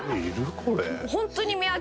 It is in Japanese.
これ。